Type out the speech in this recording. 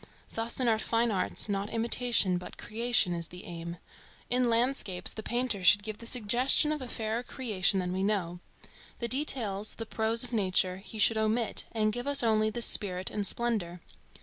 Thus in our fine arts, not imitation but creation is the aim. In landscapes the painter should give the suggestion of a fairer creation than we know. The details, the prose of nature he should omit and give us only the spirit and splendor.